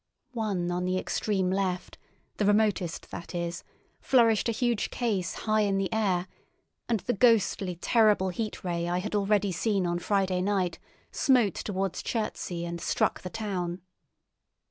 One on the extreme left, the remotest that is, flourished a huge case high in the air, and the ghostly, terrible Heat Ray I had already seen on Friday night smote towards Chertsey, and struck the town.